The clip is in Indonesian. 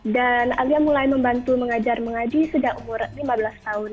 dan alia mulai membantu mengajar mengaji sejak umur lima belas tahun